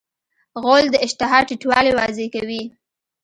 غول د اشتها ټیټوالی واضح کوي.